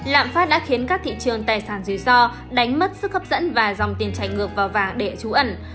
lạm phát đã khiến các thị trường tài sản dưới do đánh mất sức hấp dẫn và dòng tiền trảnh ngược vào vàng để trú ẩn